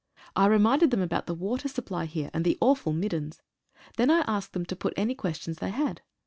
I reminded them about the water supply here, and the awful "middens." Then I asked them to put any questions they had.